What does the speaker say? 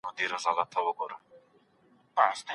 هغه د چلند لپاره بيولوژيکي علتونه رد کړي دي.